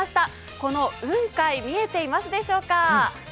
この雲海、見えていますでしょうか